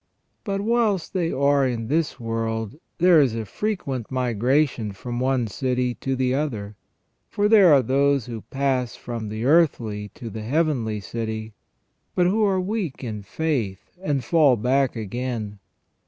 But whilst they are in this world there is a frequent migration from one city to the other. For there are those who pass from the earthly to the heavenly city, but who are weak in faith, and fall back again.